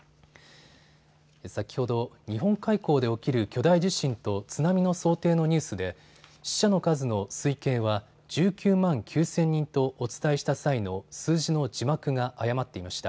先ほど日本海溝で起きる巨大地震と津波の想定のニュースで死者の数の推計は１９万９０００人とお伝えした際の数字の字幕が誤っていました。